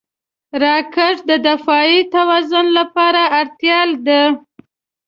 راکټ د دفاعي توازن لپاره اړتیا ده